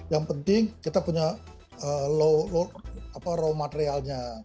yang penting kita punya raw materialnya